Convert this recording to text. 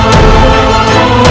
baik ayahanda prabu